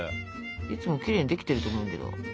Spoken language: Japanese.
いつもきれいにできてると思うけど。